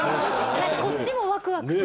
こっちもワクワクするよ。